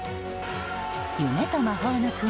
夢と魔法の国